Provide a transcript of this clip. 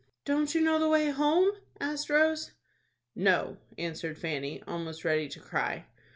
"Don't you know the way home?" asked Rose. "No," answered Fanny, almost ready to cry.